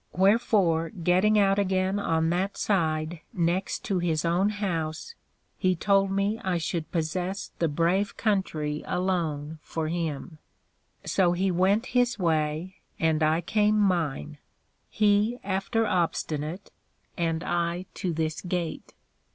Wherefore getting out again on that side next to his own house, he told me I should possess the brave country alone for him; so he went his way, and I came mine: he after Obstinate, and I to this Gate.